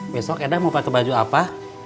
besok eda mau pakai baju apa